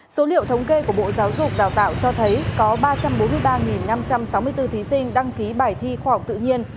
số liệu thống kê của bộ giáo dục đào tạo cho thấy có ba trăm bốn mươi ba năm trăm sáu mươi bốn thí sinh đăng ký bài thi khoa học tự nhiên